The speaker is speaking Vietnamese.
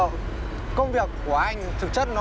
ờ công việc của anh thực chất nó là